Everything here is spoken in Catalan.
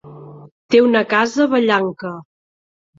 Té una casa a Vallanca.